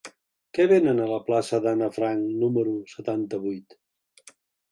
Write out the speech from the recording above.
Què venen a la plaça d'Anna Frank número setanta-vuit?